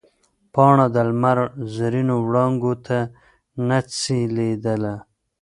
پاڼه د لمر زرینو وړانګو ته نڅېدله.